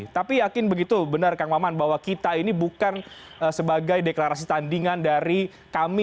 tapi yakin begitu benar kang maman bahwa kita ini bukan sebagai deklarasi tandingan dari kami